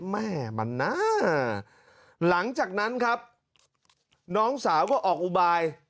แม่มันนะหลังจากนั้นครับน้องสาวก็ออกอุบาย